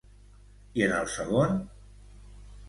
I en el segon?